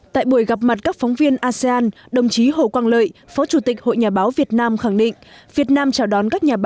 tại buổi gặp mặt các phóng viên asean đồng chí hồ quang lợi phó chủ tịch hội nhà báo việt nam khẳng định